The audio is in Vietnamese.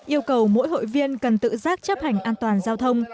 yêu cầu mỗi hội viên cần tự giác chấp hành an toàn giao thông